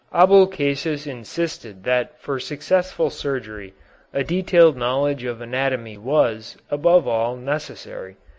Abulcasis insisted that for successful surgery a detailed knowledge of anatomy was, above all, necessary.